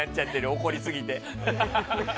怒りすぎて。